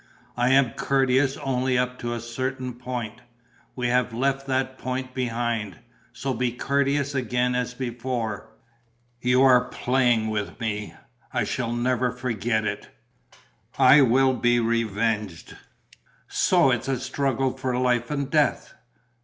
"I am courteous only up to a certain point." "We have left that point behind. So be courteous again as before." "You are playing with me. I shall never forget it; I will be revenged." "So it's a struggle for life and death?"